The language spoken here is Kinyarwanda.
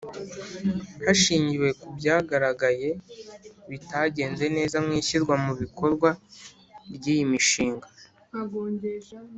Hashingiwe ku byagaragaye bitagenze neza mu ishyirwa mu bikorwa ry iyi mishinga